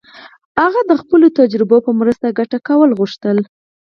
هغه د خپلو تجربو په مرسته ګټه کول غوښتل.